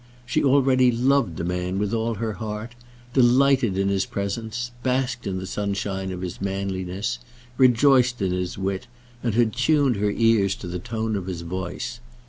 She already loved the man with all her heart, delighted in his presence, basked in the sunshine of his manliness, rejoiced in his wit, and had tuned her ears to the tone of his voice.